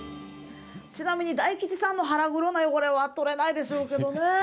ちなみに大吉さんの腹黒な汚れは取れないでしょうけどね。